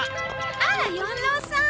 あら四郎さん。